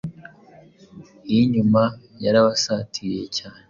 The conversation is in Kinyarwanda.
Iy’inyuma yarabasatiriye cyane